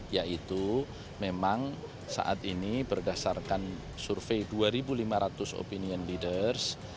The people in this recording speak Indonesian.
yaitu memang saat ini berdasarkan survei dua lima ratus opinion leaders